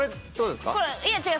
いえ違う。